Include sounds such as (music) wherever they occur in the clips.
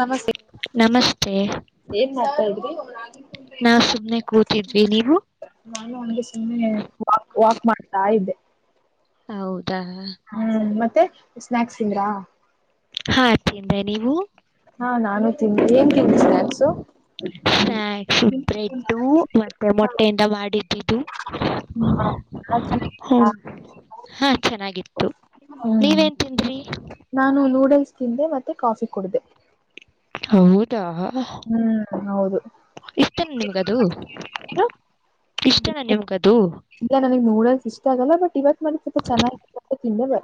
ನಮಸ್ತೆ ನಮಸ್ತೆ ಏನ್ ಮಾಡ್ತಾ ನಾವು ಸುಮ್ಮನೆ ಕೂತಿದ್ವಿ ನೀವು ನೆ ಒಣಗೆ ಸುಮ್ಮನೆ ವಾಕ್ ವಾಕ್ ಮಾಡ್ತಾ ಇದ್ದೆ ಹೌದು ಹ್ಮ್ ಮತ್ತೆ ಸ್ನಾಯಕ್ಸ್ ಇದಿಂದ್ರಾ ಹಾ ಚ ಅಂದ್ರೆ ನೀವು ಹಾ ನಾನು ತಿಿಂದ ಏನ್ ತಿಂದೆ ಸ್ನಾಕ್ಸು ಹ ಸ್ಯಕ್ಸ್ ಬ್ರೆಡ್ಡು ಮತ್ತೆ ಮೊಟ್ಟೆಯಿಂದ ಮಾಡಿದ್ದಿದ್ದು ಹ್ಮ ಅರಿಾ ಹ್ಮ್ ಹಾ ಚೆನ್ನಾಗಿತ್ತು ನೀವೇನ್ ತಿಂದ್ರಿ ನಾನು ನೂಡಲ್ಸ್ ತಿಂದೆ ಮತ್ತೆ ಕಾಫಿ ಕುಡಿದೆೆ ಹೂತ ಹ್ಮ್ ಹೌದು ಇಷ್ಟಣ್ಣ ನಿಮ್ಗದು ಏನು ಇಷ್ಟನ್ಣ ನಿಮ್ಗದು ಇಲ್ಲ ನನಗ್ ನೂಡಲ್ಸ್ ಇಷ್ಟ ಆಗಲ್ಲ ಬಟ್ ಇವತ್ ಮಾಡಿ ಸ್ವಲ್ಪ ಚೆನ್ನಾಗಿ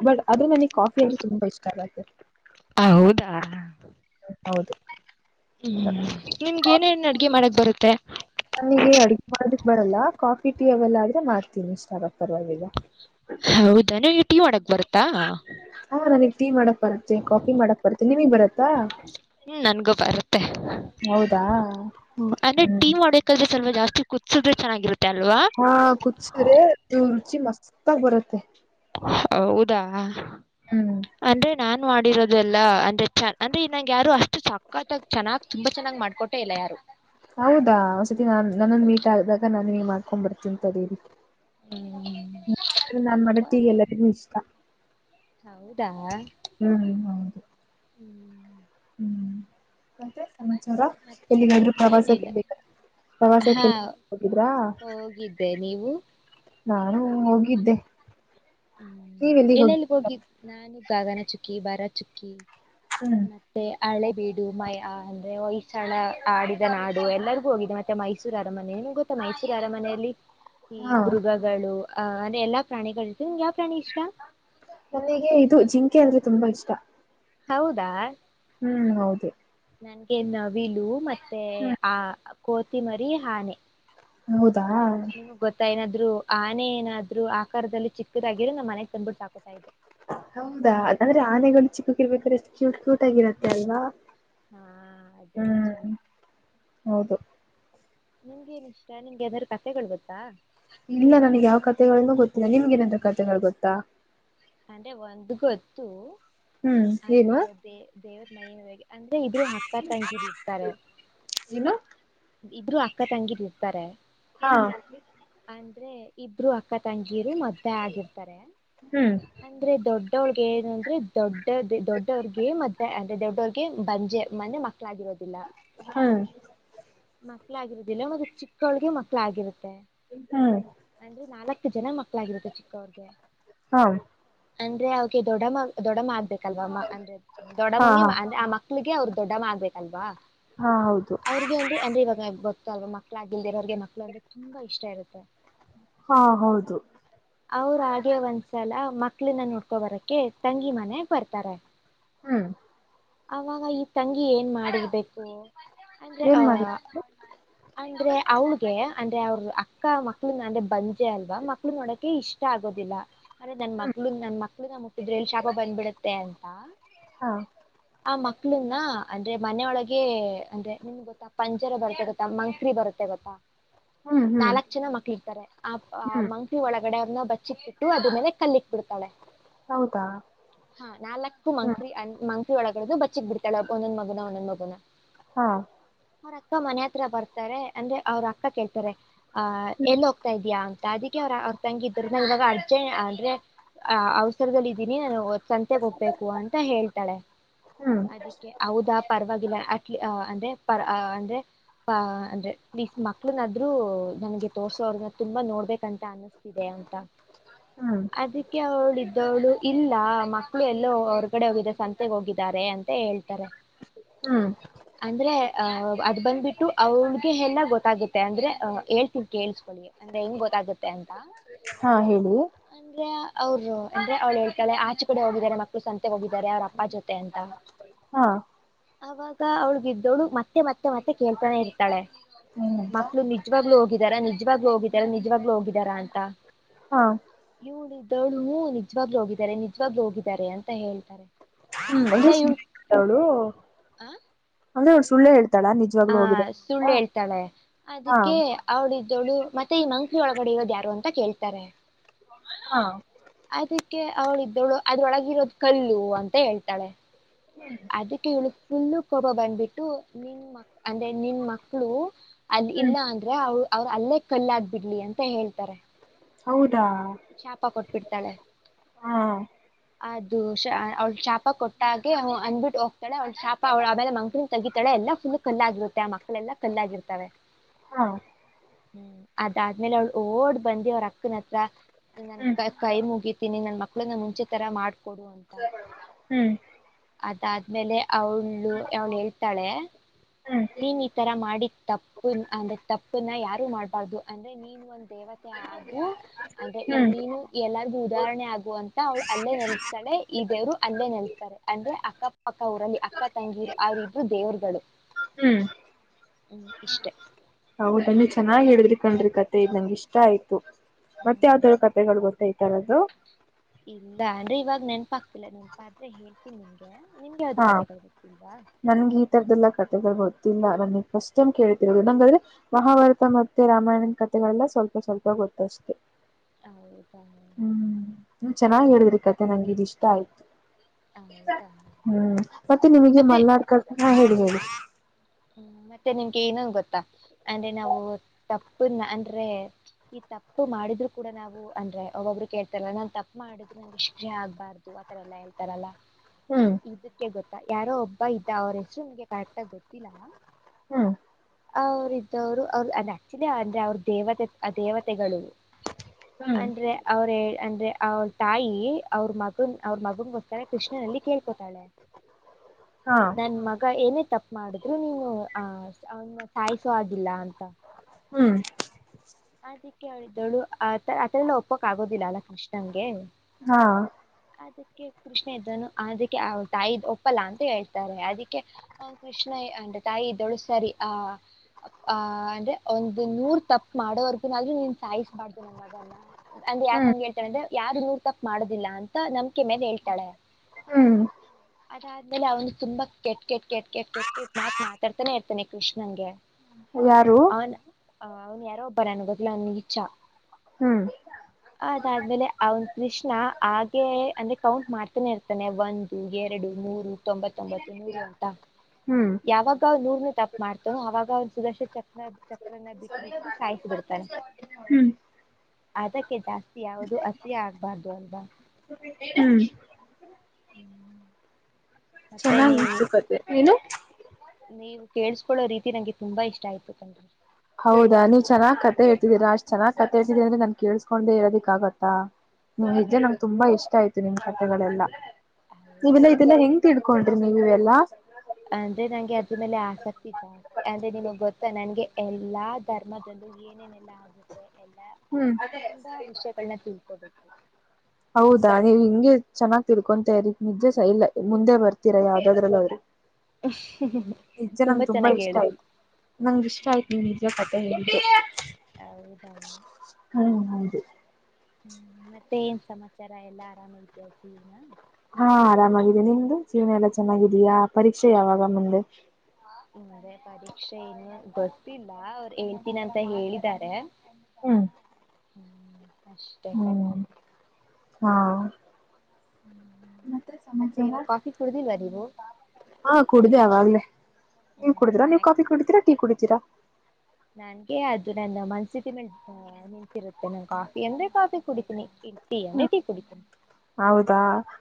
ಬಟ್ ಆದ್ರೆ ನನಗ್ ಕಾಫಿ ಅ್ರೆ ತುಂಬಾ ಷ್ಟ ಹೌದಾ ಹೌದು ಹ್ಮ್ ನಿಮ್ಗೆ ಏನೇನ್ ಅಡ್ಗೆ ಮಾಡಕ್ ಬರುತ್ತೆ ನನಗೆ ಅಡ್ಗೆ ಮಾಡದಕ್ ಬರಲ್ಲ ಕಾಫಿ ಟೀ ಅವಲ್ಲ ಆದ್ರೆ ಮಾಡ್ತೀನಿ ಇಷ್ಟ ಆಗ ಪರವಾಗಿಲ್ಲ ಹೌದ ನೀ ಈ ಟೀ ಮಾಡಕ್ ಬರ್ತ್ತಾ ಹಾ ನನಗ್ ಟೀ ಮಾಡಕ್ ಬರುತ್ತೆ ಕಾಫಿ ಮಾಡಕ್ ಬರುತ್ತೆ ನೀವಗೆ ಬರತ್ತಾ ಹ್ಮ ನನ್ಗೂ ಬರುತ್ತೆ ಹೌದಾ ಅಂದ್ರೆ ಟೀ್ ಸ್ವಲ್ ಜಾಸ್ತಿ ಕುದಸಿದ್ರೆ ಚೆಾಗಿರುೆ ಹಾ ಕುದಸ್ರೆ ನೀವು್ ರುಚಿ ಮಸ್ತ ಆಗ ಬರುತ್ತೆ ಹೌದಾ ಹ್ಮ್ ಅಂದ್ರೆ ನಾನ್ ಮಾಡಿರೋದೆಲ್ಲ ಅಂದ್ರೆ ಚನ್ ಅಂದ್ರೆ ಇ ನಂಗ ಯಾರು ಅಷ್ಟು ಸಕ್ಕತ್ತಾಗ ಚೆನ್ನಾಗ್ ತುಂಬಾ ಚೆನ್ನ್ ಮಾಡ್ಕೊಟ್ಟೆ ಇಲ್ಲ ಯಾರು ಹೌದಾ ಒ್ಸತಿ ನಾನ್ ನನ್ನೊಂದ ಮೀಟ್ ಆದಾಗ ನಾನು ನೀ ಮಾಡ್ಕೊಂಡ್ ಬರ್ತೀಂತದೀರಿ ಹ್ಮ್ ನ ನಮ್ಮ ತೀ ಎಲ್ಲರಿ ಇಷ್ಟ ಹೌದಾ ಹ್ಮ್ ಹೌದು ಹ್ಞೂ ಹ್ಮ್ ಮತ್ತೆ ಸಮಾಚಾರ ಮತ್ತೆ ಎಲ್ಲಿಗಾದ್ರರು ಏನಿಲ್ಲ ಪ್ರವಾಸಕ್ಕೆ ಬ ಹಾ ಪ್ರವಾಸಕ್ಕೆ ಹೋಗಿದ್ರಾ ಹೋಗಿದ್ದೆ ನೀವು ನಾನು ಹೋಗಿದ್ದೆ ಹ್ಮ್ ನೀವ್ ಎಲ್ಲಿಗ್ ಎಲ್ಲ ಹೋಗಿ ಎಲ್ಲಿ ಹೋಗಿದ ನಾನು ಗಾಗನ ಚುಕ್ಕಿ ಬಾರ ಚುಕ್ಕಿ ಮತ್ತೆ ಹಳೆ ಬೀಡು ಮೈ ಅಂದ್ರೆ ಹೊಯ್ಸಳ ಆಡಿದ ನಾಡು ಎಲ್ಲರಿಗೂ ಹೋಗಿದೆ ಮತ್ತೆ ಮೈಸೂರು ಅರಮನೆ ಏ ಗೊತ್ತಾ ಮಹತಿಗಾರ ಮನೆಯಲ್ಲಿ ಈ ಹಾ ಮೃಗಗಳು ಅ್ ಅೆ ಎಲ್ಲಾ ಪ್ರಾಣಿಗಳುಿರ್ ನಿ್ ಯಾವ ಪ್ರಾಣಿ ಇಷ್ಟ ನನಗೆ ಇದು ಜಿಂಕೆ ಅಂದ್ರೆ ತುಂಬಾ ಇಷ್ಟ ಹೌದಾ ಹ್ಮ್ ಹೌದ ನನ್ಗೆ ನವಿಲು ಮತ್ತೆ ಹ್ಮ್ ಆ ಕೋತಿಮರಿ ಆನೆ ಹೌದಾ ನಿಮಗ್ ಗೊತ್ತಾ ಏನಾದ್ರು ಆನೆ ಏನಾದ್ರು ಆಕಾರದಲ್ಲಿ ಚಿಕ್ಕದಾಗಿರು ನ ಮನೆಗ್ ತಂದ್ಬಿಟ್ಟ ಹೌದಾ ಅದಾದ್ರೆ ಆನೆಗಳು ಚಿಕ್ಕಕ್ಕಿರ್ಬೇಕ್ರೆಷ್ಟು ಕ್ಯೂಟ್ ಕ್ಯೂಟ್ ಆಗಿರತ್ತೆ ಅಲ್ವಾ. ಹಾ ಅದಿನಚನ್ ಹ್ಮ್ ಹೌದು ನಿಮ್ಗೆ ಏನ ಇಷ್ಟ ನಿಮ್ಗೆ ಯದಾರೂ ಕತೆಗಳು ಗೊತ್ತಾ ಇಲ್ಲ ನನ್ಗೆ ಯಾವ ಕತೆೆಗಳಗಳನ್ನುೂ ಗೊತ್ತಿಲ್ಲ ನಿಮ್ಗೆ ಏನಾದ ಕತೆೆಗಳು ಗೊತ್ತಾ ಅಂದ್ರೆ ಒಂದ್ ಗೊತ್ತು ಹ್ಮ್ ಅದ ಏನು ದೇ ದೇವ್ರ ಮೈ ಅಂದ್ರೆ ಇದ್ರು ಅಕ್ಕ ತಂಗಿಿದಿರ್ತಾರೆ. ಇಿನ ಇಬ್ರು ಅಕ್ಕ ತಂಗಿಿದ ಇರ್ತಾರೆ ಹಾ ಅಂದ್ರೆ ಇಬ್ರು ಅಕ್ಕ ತಂಗಿಯರು ಮದ್ದೆ ಆಗಿರ್ತಾರೆ ಹ್ಮ್ ಅಂದ್ರೆ ದೊಡ್ಡ ದೊಡ್ಡವ್ರಗೆ ಏನು ಅಂದ್ರೆ ದೊಡ್ಡ ದೊಡ್ಡವ್ರಗೆ ಮದ ಅಂದ್ರೆ ದೊಡ್ಡವ್ರಿಗೆ ಬಂಜೆ ಮನೆ ಮಕ್ಕಳು ಮಳಾಗಿರೋದಿಲ್ಲ ಹ್ಮ್ ಮಕ್ಳಾಗಿರೋದಿಲ್ಲ ಮತ್ತೆ ಚಿಕ್ಕೋಳಗೆ ಮಕ್ಳಾಗಿರುತ್ತೆ ಹ್ಮ್ ಅಂದ್ರೆ ನಾಲ್ಕ್ಕು ಜನ ಮಕ್ಳಾಗಿರುತ್ತೆ ಚಿಕ್ಕವ್ರಗೆ ಹಾ ಅಂದ್ರೆ ಅವೆ ದೊಡಮ್ಮ ದೊಡಮ್ಮ ಆ್ಬೇಕಲ್ವಮ್ಮ ಅಂದ್ರೆ ಹಾ ಹಾ ದೊಡ್ಡಮ್ಮಗೆಂದ ಆ ಮ. ಮಕ್ಕಳಿಗೆ ಅವ್ರ ದೊಡ್ಡಮ್ಮ ಆಗ್ಬೇಕಲ್ವಾ ಹಾ ಹೌದು ಅವ್ರಿಗೆ ಅಂದ್ರೆ ಅಂದ್ರೆ ಇವಾಗ. ಅಲ್ವಾ ಮಕ್ಳಾಗಿಲ್ದಿರೋ್ರಿಗೆ ಮಕ್ಳು ಅಂದ್ರೆ ತುಂಬಾ ಇಷ್ಟ ಇರುತ್ತೆ. ಹಾ ಹೌದು ಅವ್ರ ಹಾಗೆ ಒಂದ್ಸಲ ಮಕ್ಳಿನ ನೋಡ್ಕೊ ಬರಕ್ಕೆೆ ತಂಗಿ ಮನೆ ಬರ್ತಾರೆ. ಹ್ಮ್ ಅವಾಗ ಈ ತಂಗಿ ಏನ್ ಮಾಡಿರ್ಬೇಕು ಅಂದ್ರೆ ಆ ಏನ್ ಮಾಡಿ ಅಂದ್ರೆ ಅವಳಗೆ ಅಂದ್ರೆ ಅವ್ರ ಅಕ್ಕ ಮಕ್ಳು ಅಂದ್ರೆ ಬಂದಜೆ ಅಲ್ವಾ ಮಕ್ಳು ನೋಡಕೆ ಇಷ್ಟ ಆಗೋದಿಲ್ಲ. ಅರೇ ನನ್ ಹ್ಮ್ ಮಗ್ಳ ನನ್ ಮಕ್ಳು ನಾ ಮುಟ್ಟಿದ್ರೆ ಎಲ್ಲಿ ಶಾಪ ಬಂದ್ಬಿಡುತ್ತೆ ಅಂತ. ಹಾ ಆ ಮಕ್ಳನ್ನ ಅಂದ್ರೆ ಮನೊಳಗೆ ಅಂದ್ರೆ ನಿಮ್ಗ್ ಗೊತ್ತಾ ಪಂಜರ ಬರುತ್ತೆ ಗೊತ್ತಾ ಮಂಕ್ರರಿ ಬರುತ್ತೆ ಗೊತ್ತಾ. ಹ್ಮ್ ಹ್ಮ್ ನಾಲ್ಕ್ ಜನ ಮಕ್ಳ ಇರ್ತಾರೆ ಆ ಹ್ಮ್ ಮಂಕ್ಲಿ ಒಳಗ ಹೊಗಡನ್ನ ಬಚ್ಚಿ ಬಿಟ್ಟು ಅದ ಮೇಲೆ ಕಲ್ಲಿಕ್ ಬಿಡ್ತಾಳೆ. ಹೌದಾ ಹಾ ನಾ ಲಕ್ಕು ಹ್ಮ್ ಮಂಕ ಒಳಗಡೆದು ಬಚ್ಚಿಕ್ ಬಿಡ್ಾಳ ಒಂದೊಂದ ಮಗನ ಒಂದೊಂದ ಮಗನ. ಹಾ ಅವ್ರ ಅಕ್ಕ ಮನೆ ಹತ್ರ ಬರ್ತಾರೆ ಅಂದ್ರೆ ಅವ್ರ ಅಕ್ಕ ಕೇಳ್ತಾರೆ. ಅಹ ಹ್ಮ್ ಎಲ್ಲಿ ಹೋಗ್ತಾ ಇದ್ಯಾಾ ಅಂತ ಅದಕ್ಕೆ ಅವ ತಂಗಿದರು ನಾನು ಇವಾಗ ಅರ್ಜೆಂಟ್ ಅಂದ್ರೆ ಅವಸರದದಲ್ಲಿ ಇದೀನಿ ನಾನು ಸಂತೆಗ ಒೋಗ್ಬೇಕು ಅಂತ ಹೇಳ್ತಾಳೆ ಹ್ಮ್ ಅದಕ್ಕೆ ಹೌದಾ ಪರವಾಗಿಲ್ಲ ಅ. ಅೆ ಪ ಅೆ ಅ ಅಂದ್ರೆ ಪ್ೀಸ್ ಮಕ್ಳನಾದ್ೂ ನನ್ಗೆ ತೋರ್ಸೋ ಅವ್ರನ್ನ ತುಂಬಾ ನೋಡ್ಬೇಕಂತ ಅನಿಸ್ತಿದೆ ಅಂತ. ಹ್ಮ್ ಅದಕ್ಕೆ ಅವಳ್ದವಳು ಇಲ್ಲ ಮಕ್ಕಳು ಎಲ್ಲೋ ಹೊರ್ಗಡೆ ಹೋಗಿದ್ದಾರೆ ಸಂತೆಗೆ ಹೋಗಿದ್ದಾರೆ ಅಂತ ಹೇಳ್ತಾರೆ. ಹ್ಮ್ ಅಂದ್ರೆ ಆ ಅದ್ ಬಂದ್ಬಿಟ್ಟು ಅವ್ರಗೆ ಎಲ್ಲ ಗೊತ್ತಾಗತ್ತೆ ಅಂದ್ರೆ ಹೇಳ್ತಿ ಕೇೇಳಸ್ಕೊಳ್ಳಿ ಅಂದ್ರೆ ಹೆಂಗ್ ಗೊತ್ತಾಗತ್ತೆ ಹಾ ಹೇಳಿ ಅಂದ್ರೆ ಅವ್ರು ಅಂದ್ರೆ ಅವಳ ಹೇಳ್ತಳೆ ಆಚೆ ಕಡೆ ಹೋಗಿದಿದ್ದಾರೆ ಮಕ್ಕಳ ಸಂತೆ ಹೋಗಿದ್ದಾರೆ ಅವ್ರ ಅಪ್ಪ ಜೊತೆ ತಂತ ಹಾ ಅವಾಗ ಅವ್ಳಗಿದ್ದವಳು ಮತ್ತೆ ಮತ್ತೆ ಮತ್ತೆ ಕೇಳ್ತಾನೆ ಇರ್ತಾಳೆ. ಏನಂತ ಮಕ್ಳು ನಿಜವಾಗ್ಲುೂ ಹೋಗಿದಾರಾ ನಿಜ್ವಾಗ್ಲಲು ಹೋಗ ಲ್ಲ ನಿಜವಾಗ್ಲುೂ ಹೋಗಿದ್ದಾರಾ ಅಂತ ಹಾ ಅವ್ನೂ ನಿಜವಾಗ್ಲು ಹೋಗಿದ್ದಾರೆ ನಿಜ್ವಾಗ್ಲು ಹೋಗಿದ್ದಾರೆ ಅಂತ ಹೇಳ್ತಾರೆ. ಹ್ಮ್ ಆಮೇಲೆ ಇವ್ ಅವಳು ಅಂದ್ರೆ ಅವ್ಳ ಸುಳ್ಳ ಹೇಳ್ತ ಹ ಸುಳ್ಳ ಹೇಳ್ತಾಳೆ ಅದಕ್ಕೆ ಅವಳಿದ್ದೋಳು ಮತ್ತ ಮತ್ತೆ ಈ ಮಂಕೀ ಒಳಗಡೆ ಇರೋದ ಯಾರು ಅಂತ ಕೇಳ್ತಾರೆ. ಹಾ ಅವಳ ಇದ್ದವಳು ಅದ್ರೊಳಗಿರೋದು ಕಲ್ಲು ಅಂತ ಹೇಳ್ತಾಳೆ ಅದಕ್ಕೆ ಹೇಳ ಫೂಲ್ಲು ಕೋಬ ಬಂದ್ಬಿಟ್ಟು ನಿನ್ ಮ ಅಂದ್ರೆ ನಿನ್ ಮಕ್ಳು ಅಲ್ಲಿ ಹ್ಮ್ ಇಲ್ಲ ಅಂದ್ರೆ ಅವಳ ಅವರ ಅಲ್ಲೇ ಕಲ್ಲಾಗ್ ಬಿಡ್ಲಿ ಅಂತ ಹೇಳ್ತಾರೆ. ಹೌದಾ ಶಾಪಾ ಕೊಟ್ಬಿಡ್ತಾಳೆ. ಹಾ ಅದು ಶ ಅವ್ಳ ಶಾಪ ಕೊಟ್ಟಾಗೆ ಅವ ಅಂದ್ಬಿಟ್ಟು ಹೋಗ್ತಾಳ ಅವಳ ಶಾಪ ಅವಳ ಆಮೇಲ್ ಮಂಕಳನ್ ತೆಗಿತಾಳೆ ಎಲ್ಲಾ ಫುಲ್ಲು ಕಲ್ಲಾಗಿರುತ್ತೆ ಆ ಮಕ್ಕಳೆಲ್ಲಾ ಕಲ್ಲಾಗಿರ್ತವೆ. ಹಾ ಹ್ಮ್ ಅದಾದ್ಮೇಲೆ ಅವ್ಳ ಓಡ್ ಬಂದಿ ಅವ್ರ ಅಕ್ಕನತ್ರ ನೀ ನನ್ ಹ್ಮ್ ಕ ಕೈ ಮುಗಿತೀನಿ ನನ್ ಮಕ್ಳುನ್ನ ಮುಂಚೆ ತರಾ ಮಾಡ್ ಹ್ಮ್ ಆದ್ಮೇಲೆ ಅವಳು ಅವಳ ಹೇಳ್ತಾಳೆ ಹ್ಮ್ ನೀನ್ ಈ ತರ ಮಾಡಿ ತಪ್ಪ ಅಂದ್ರೆ ತಪ್ಪನ ಯ ಮಾಡ್ಬಾರ್ದು ಅಂದ್ರೆ ನೀನ ಒಂದ್ ದೇವತೆ ಆಗು ಅಂದ್ರೆ ಈ ಹ್ಮ್ ನೀನು ಎಲ್ಲರಿಗು ಉದಾಹರಣೆ ಆಗುವ ಅಂತ ಅವಳ ಅಲ್ಲೇ ನೆಲ್ಸ್ತಾಳೆ ಇದ ದೇವ್ರು ಅಲ್ಲೇ ನೆಲ್ಸ್ತಾರೆ ಅಂದ್ರೆ ಅಕ್ಕ ಪಕ್ಕ ಊರಲ್ಲಿ ಅಕ್ಕ ತಂಗಿರು ಅವ್ರ ಇಬ್ಬರು ದೇವರುಗಳು. ಹ್ಮ್ ಹ್ಮ್ ಇಷ್ಟೇ. ಹೌದ ನೀ ಚೆನ್ನಾಗ್ ಹೇಳಿದ್ರಿ ಕಂಡ್ರಿ ಕತೆ ಇದ್ ನಂಗ ಇಷ್ಟ ಆಯ್ತು. ಮತ್ತೆ ಹ್ಮ್. ಯಾವತರ ಕತೆಗಳು ಗೊತ್ತ ಈತರದ್ದು. ಇಲ್ಲ ಅನ್ರಿ ಇವಾಗ ನೆನಪಾಗ್ತಿಲ್ಲ ನೆನಪ ಆದ್ರೆ ಹೇಳ್ತೀನಿ ನಿನ್ಗೆ. ಹಾ ನನ್ಗೆ ಈ ತರದ್ದಲ್ಲ ಕತೆಗೊಳ್ ಗೊತ್ತ್ ಇಲ್ಲ ನನಗೆ ಫಸ್ಟ್ ಟೈಮ್ ಕೇಳ್ತಿರೋದು ನಂಗಾದ್ರೆ ಮಹಾಭಾರತ ಮತ್ತ ರಾಮಾಯಣದ ಕತೆಗಳೆಲ್ಲ ಸ್ವಲ್ಪ ಸ್ವಲ್ಪ ಗೊತ್ತ ಅಷ್ಟೇ. ಹೌದಾ. ಹ್ಮ್ ಚೆನ್ನಾಗ್ ಹೇಳುದ್ರಿ ಕತೆ ನಂಗಿದ ಇಷ್ಟ ಆಯ್ತು. ಹೌದಾ ಹ್ಮ್ ಮತ್ತೆ ನಿಮಗೆ ಮಲ್ನಾಡ್ ಕರ್ತ ಹೇಳಿ ಹೇಳಿ ಹ್ಮ ಮತ್ತೆ ನಿಮ್ಗೆ ಇನ್ನೊಂದ್ ಗೊತ್ತಾ ಅಂದ್ರೆ ನಾವು ತಪ್ಪನ್ನ ಅಂದ್ರೆ ಈ ತಪ್ಪು ಮಾಡಿದ್ರು ಕೂಡ ನಾವು ಅಂದ್ರೆ ಒಬ್ಬೊಬ್ರು ಕೇಳ್ತಾರಲ್ಲ ನಾನ್ ತಪ್ಪ ಮಾಡಿದ್ರು ನಂಗ ಶಿಕ್ಷೆ ಆಗ್ಬಾರ್ದು ಆತರಾ ಎಲ್ಲ ಹೇಳ್ತಾರಲ್ಲಾ. ಹ್ಮ್ ಇದಕ್ಕೆ ಗೊತ್ತಾ ಯಾರೋ ಒಬ್ಬ ಇದ್ದ ಅವ್ರ ಹೆಸರು ನಿಮ್ಗೆ ಕರೆಕ್ಟಾಗಿ ಗೊತ್ತಿಲ್ಲ ಹ್ಮ ಅವ್ರ ಇದವ್ರು ಅವ್ರ ಅಂದ ಆಕ್ಚುಲಿ ಅಂದ್ರೆ ಅವ್ರ ದೇವತೆ ಆ ದೇವತೆಗಳು ಹ್ಮ್ ಅಂದ್ರೆ ಅವ್ರ ಹೇಳಿದ್ ಅಂದ್ರೆ ಅವ್ರ ತಾಯಿ ಅವ್ರ ಮಗನ್ ಅವ್ರ ಮಗನ್ಗೋಸ್ಕರ ಕೃಷ್ಣನಲ್ಲಿ ಕೇಳ್ಕೋತಾಳೆ. ಹಾ ನನ್ ಮಗ ಏನೇ ತಪ್ಪ ಮಾಡಿದ್ರು ನೀನು ಆ ಅವನ್ನ ಸಾಯಿಸೊ ಹಾಗಿಲ್ಲ ಅಂತ. ಹ್ಮ್ ಅದಿಕ್ಕೆ ಅವಳಿದ್ದವಳು ಆ ಆತರ ಎಲ್ಲ ಒಪ್ಪಕೊಕ್ ಆಗೋದಿಲ್ಲ ಅಲ್ಲಾ ಕೃಷ್ಣನ್ಗೆ. ಹಾ ಅದಕ್ಕೆ ಕೃಷ್ಣ ಇದ್ದೋನು ಅದಕ್ಕೆ ಅವ್ರ ತಾಯಿ ಒಪ್ಪಲ್ಲ ಅಂತ ಹೇಳ್ತಾರೆ ಅದಕ್ಕೆ ಕೃಷ್ಣ ಅಂದ್ರೆ ತಾಯಿ ಇದ್ದೋಳು ಸರಿ ಆ ಅ ಅಂದ್ರೆ ಒಂದು ನೂರ್ ತಪ್ಪ ಮಾಡೋವರ್ಗೂನ ಆದ್ರೂ ನೀನ್ ಸಾಯಿಸ್ಬಾರ್ದು ನಮ್ಮ ಮಗನ್ನ ಅಂದ್ರ ಹ್ಮ್ ಯಾಕಂಗ ಹೇಳ್ತಾರೆ ಅಂದ್ರೆ ಯಾರ ನ ತಪ್ಪ ಮಾಡುದಿಲ್ಲ ಅಂತ ನಂಬಿಕೆ ಮೇಲ ಹೇಳ್ತಾಳೆ. ಹ್ಮ್ ಅದಾದ್ಮೇ ಅವನು ತುಂಬಾ ಕೆಟ್ ಕೆಟ್ ಕೆಟ್ ಕೆಟ್ ಕೆಟ್ ಕೆಟ್ ಮಾತ್ ತರ್ತಾನೆ ಇರ್ತಾನನೆ ಕೃಷ್ಣನ್ಗೆ ಯಾರು ಅವ ಅವನು ಯಾರೋಬ್ಬರಾನ ಅವನ ಇಚ್ಛಾ ಹ್ಮ್ ಅದಾದ್ಮೇಲೆ ಅವನ್ ಕೃಷ್ಣ ಹಾಗೆ ಅಂದ್ರೆ ಕೌಂಟ್ ಮಾಡ್ತಾನೆ ಇರ್ತಾನೆ ಒಂದು ಎರಡು ಮೂರು ತೊಂಬತ್ತೊಂಬತ್ತು ನೂರು ಅಂತ ಹ್ಮ್ ಯಾವಾಗ ಅವ ನೂರ್ನ ತಪ್ಪ ಮಾಡ್ತಾನೋ ಅವಾಗ ಅವನ್ ಸುದರ್ಶ ಚಕ್ರ ಚಕ್ರನ ಬಿಟ್ಟ ಬಿಟ್ಟ ಸಾಯಿಸಿ ಬಿಡ್ತಾರೆ ಹ್ಮ್ ಅದಕ್ಕೆ ಜಾಸ್ತಿ ಯಾವುದೂ ಅತಿಯ ಆಗ್ಬಾರ್ದು ಅಲ್ವಾ ಹ್ಮ್ (unintelligible) ಮತ್ತೆ ಚೆನ್ನಾಗಿ ನೀವು ಕಥೆ ಏನು ಕೇಳಸ್ಕೊಳ್ಳಳೋ ರೀತಿ ನಂಗೆ ತುಂಬಾ ಇಷ್ಟ ಆಯತತ್ನ್ರಿ ಹೌದಾ ನೀವ್ ಚೆನ್ನ್ ಕತೆ ಹೇಳ್ತಿದೀರಾ ಅಷ್ಟ್ ಚೆನ್ನ್ ಕತೆ ಹೇತಿದೀಿ ಅಂದ್ರೆ ನನ್ ಕೇಳಳ್ಸ್ಕೊಂಡೆ ಇ ಹೇಳೋದಿಕ್ ಆಾಗತ್ತಾ ನೀ್ ಇದೆ ಹ್ಮ್ ನಂಗೆ ತುಂಬಾ ಇಷ್ಟ ಆಯ್ತು ನಿಮ್ ಕತೆಗಳೆಲ್ಲಾ ಹೌದಾ ನೀವೆಲ್ಲಾ ಇದೆಲ್ಲ ಹೆಂಗ್ ತಿಡ್ಕೊಂಡ ನೀವುವೆ ಎಲ್ಲ ಅಂದ್ರೆ ನಂಗೆ ಅದ್ರ ಮೇಲೆ ಆಸಕ್ತಿ ಜಾಸ್ತಿ ಅಂದ್ರೆ ನಿಮಗ್ ಗೊತ್ತಾ ನಂಗೆ ಎಲ್ಲಾ ಧರ್ಮದ ಏನೇನೆಲ್ಲಾ ಆಗುತ್ತೆ ಎಲ್ಲಾ ಎಲ್ಲ ಹ್ಮ್ ತುಂಬಾ ವಿಷಯಗಳನ್ನ ತಿಳ್ಕೋಬೇಕು ಹೌದಾ ನೀವ್ ಹಿಂಗಗೆ ಚೆನ್ನಾಗಾಗಿ ತಿಳ್ಕೊಂತ ನಿದ್ದೆ ಸ ಇಲ್ಲ ಮುಂದೆ ಬರ್ತೀರಾ ಯಾವ್ದಾದ್ರಲ್ಲ ಅವ್ರಿಗೆ ನಿಜೆ ನಂಗೆ ತುಂಬಾ ಚೆನ್ನಾಗಿ ಇಷ್ಟ ಹೇಳಿದ್ರಿ ಆಯ್ತು ನಂಗಗೆ ಇಷ್ಟ ಆಯ್ತ್ ನೀವ್ (unintelligible) ಹೌದ ಹ್ಮ ಹೌದು ಹ್ಮ್ ಮತ್ತೆ ಏನ್ ಸಮಾಚಾರ ಎಲ್ಲಾ ಆರಾಮ ಇದತ ಜೀವಿನ ಹಾ ಆರಾಮಾಗಿದೆ ನಿಮ್ದು ಜೀವನ ಎಲ್ಲಾ ಚೆನ್ನಾಗಿದೀಯಾ ಪರೀಕ್ಷೆ ಯಾವಾಗ ಮುಂದೆ ಹ್ರ ಪರೀಕ್ಷೆ ಏನು ಗೊತ್ತಿಲ್ಲ ಅವರು ಹೇಳ್ತೀನಿ ಅಂತ ಹೇಳಿದಿದ್ದಾರೆ ಹ್ಮ್ ಅಷ್ಟೇ ಹ್ಮ್ ಕಲ್ರಿ ಹಾ ಹ್ಮ್ ಮತ್ತೆ ಸಮಾಚಾರ ಇವಾಗ ಕಾಫಿ ಕುಡ್ದಿಲ್ವಾ ನೀವು ಹಾ ಕುಡ್ದ ಅವಾಗಲೇ ನೀವು ಕುಡಿದೀರಾ ನೀವು ಸ್ನಾಕ್ಸ್ ಕಾಫಿ ಕುಡಿತೀ ಟೀ ಕುಡಿತೀರಾ ನನ್ಗೆ ಅದು ನನ್ನ ಮನ್ಸ್ಥಿತಿ ಮೇ ನಿಂತಿರುತ್ತೆ ಮ ನಾನು ಕಾಫಿ ಎಂದ್ರೆ ಕಾಫಿ ಕುಡಿತೀನನಿ ಹ್ಮ ಹೌದಾ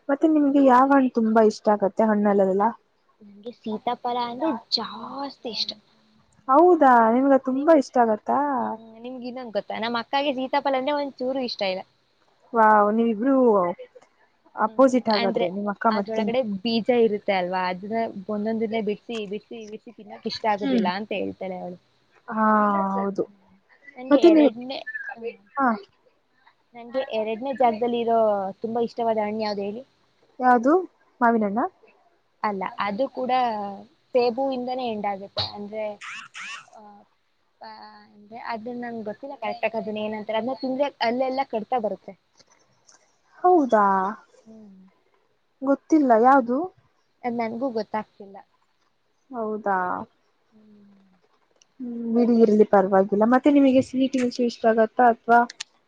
ಮತ್ತೆ ನಿಮ್ಗೆ ಯಾವ ಹಣ್ಣು ತುಂಬಾ ಇಷ್ಟ ಆಗತ್ತೆ ಹಣ್ಣ ಅಲ್ಲದಲ್ಲಾ ನಂಗೆ ಸೀತಾಫರ ಅಂದ್ರೆ ಜಾಸ್ತಿ ಇಷ್ಟ ಹೌದಾ ನಿಮ್ಗ ತುಂಬಾ ನಿಮ್ಗೆ ಇಷ್ಟ ಆಗತ್ತಾ ಹ್ಮ್ ನಿಮ್ಗೆ ಇನ್ನೊಂದು ಗೊತ್ತಾ ನಮ್ಮ ಅಕ್ಕಗೆೆ ಸೀತಾಪಾ ಅಂದೆ ಒಂದ್ ಚೂರು ಇಷ್ಟ ಇಲ್ಲ ವಾ ನೀಬರು ಹ್ಮ ಅಂದ್ರೆ ಅದೊಳಗಡೆ ಬೀಜ ಇರುತ್ತೆ ಅಲ್ವಾ ಅದನ್ನ ಒಂದೊಂದ ದಿನ ಬಿಡ್ಸಿ ಬಿಡ್ಸಿ ಬಿಡ್ಸಿ ತಿನ್ನೋಕ್ ಇಷ್ಟ ಆಗುದಿಲ್ಲಾ ಅಂತ ಹೇಳ್ತಾಳೆ ಅವಳು ಹಾ ಹೌದು ಹ್ಮ ನಂಗೆ ಮತ್ತೆ ನೀವು ಎರಡನೇ ಹ್ಮ ಹ ನಂಗೆ ಎರಡನೇ ಜಾಗದಲ್ಲಿ ಇರೋ ತುಂಬಾ ಇಷ್ಟವಾದ ಹಣ್ಣಿ ಯಾವ್ದು ಹೇಳಿ ಯಾವ್ದು ಮಾವಿನಣ್ಣ ಅಲ್ಲ ಅದು ಕೂಡ ಸೇಬುವ ಇಂದನೇ ಎಂಡಾಗುತ್ತೆ ಅಂದರೆ ಅಂದ್ರೆ ಅದ್ರ ನಂಗೆ ಗೊತ್ತಿಲ್ಲ ಕರೆಕ್ಟಕ್ ಅದನ್ನ ಏನಂತ್ರ ಅದನ್ನ ತಿಂದ್ರ ಅಲ್ಲೆಲ್ಲಾ ಕಡ್ತಾ ಬರುತ್ತೆ ಹೌದಾ ಗೊತ್ತಿಲ್ಲ ಯಾವ್ದದು ನನಗೂ ಗೊತ್ತಾಗ್ತಿಲ್ಲ ಹೌದಾ ಹ್ಮ್ ಬಿಡಗರಲಿ ಪರವಾಗಿಲ್ಲ ಮತ್ತೆ ನಿಮಗೆ ಸಿಟಿವಲ್ಸು ಇಷ್ಟ ಆಗತ್ತ ಅಥವಾ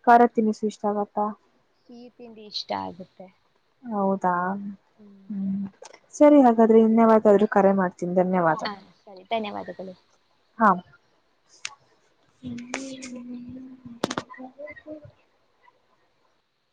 ಕಾರ ತಿನ ಸುಚ್ತಾಗತ್ತ ಸ್ವೀಟ್ ತಿಂಡಿ ಇಷ್ಟ ಆಗುತ್ತೆ ಹೌದಾ? (inaudible) ಹ್ಮ್. (inaudible) ಸರಿ, ಹಾಗಾದ್ರೆ ಇನ್ನೇವಾದಾದ್ರೂ! ಕರೆ ಮಾಡ್. (inaudible) ಹ ಧನ್ಯವಾದಗಳು, ಸರಿ ಧನ್ಯವಾದಗಳು ಹಾ. (unintelligible) (unintelligible) (inaudible)